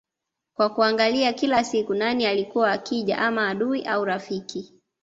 kwa kuangalia kila siku nani alikuwa akija ama adui au rafiki